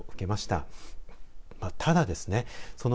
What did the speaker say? ただですね